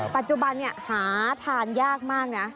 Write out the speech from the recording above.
ปัจจุบันหาทานยากมากนะ